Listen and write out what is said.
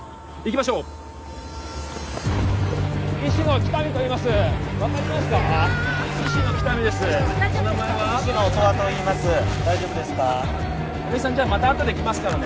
またあとで来ますからね